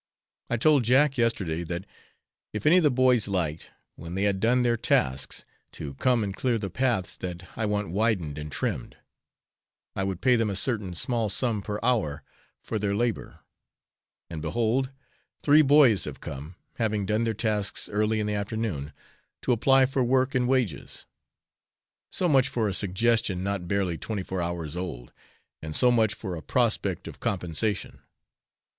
I told Jack yesterday, that if any of the boys liked, when they had done their tasks, to come and clear the paths that I want widened and trimmed, I would pay them a certain small sum per hour for their labour; and behold, three boys have come, having done their tasks early in the afternoon, to apply for work and wages: so much for a suggestion not barely twenty four hours old, and so much for a prospect of compensation!